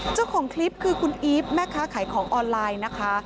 เจ้าของคลิปคือคุณอีฟแม่ค้าขายของออนไลน์นะคะ